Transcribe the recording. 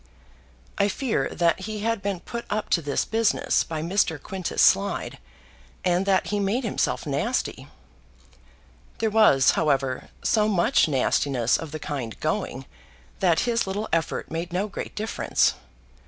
I fear that he had been put up to this business by Mr. Quintus Slide, and that he made himself nasty. There was, however, so much nastiness of the kind going, that his little effort made no great difference.